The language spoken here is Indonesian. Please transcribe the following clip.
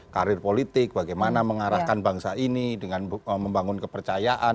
karir politik bagaimana mengarahkan bangsa ini dengan membangun kepercayaan